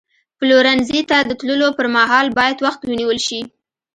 پلورنځي ته د تللو پر مهال باید وخت ونیول شي.